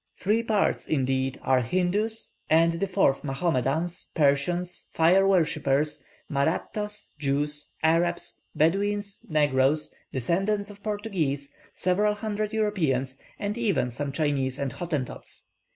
Three parts, indeed, are Hindoos, and the fourth Mahomedans, Persians, Fire worshippers, Mahrattas, Jews, Arabs, Bedouins, Negroes, descendants of Portuguese, several hundred Europeans, and even some Chinese and Hottentots.